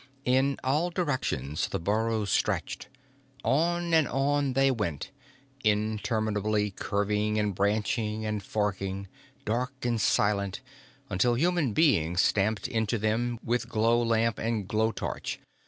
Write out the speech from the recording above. In all directions the burrows stretched. On and on they went, interminably curving and branching and forking, dark and silent, until human beings stamped into them with glow lamp and glow torch.